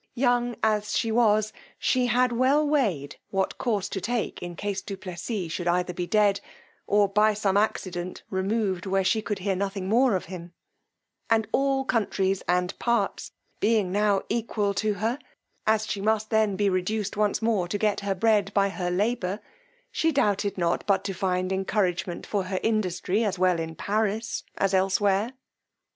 Young as she was, she had well weighed what course to take in case du Plessis should either be dead, or, by some accident, removed where she could hear nothing more of him; and all countries and parts being now equal to her, as she must then be reduced once more to get her bread by her labour, she doubted not but to find encouragement for her industry as well in Paris as elsewhere.